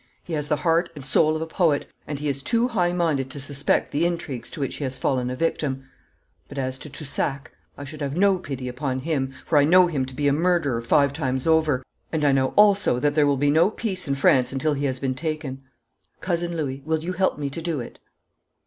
'He has the heart and soul of a poet, and he is too high minded to suspect the intrigues to which he has fallen a victim. But as to Toussac, I should have no pity upon him, for I know him to be a murderer five times over, and I know also that there will be no peace in France until he has been taken. Cousin Louis, will you help me to do it?'